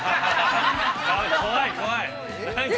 ◆怖い怖い！